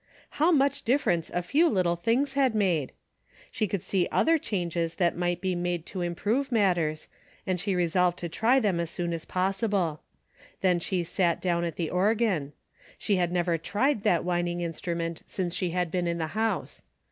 How much difference a few little things had made ! She could see other changes that might be made to improve matters, and she resolved to try them as soon as possible. Then she sat down at the organ. She had never tried that whin ing instrument, since she had been in the house.